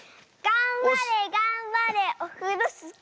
がんばれがんばれオフロスキー！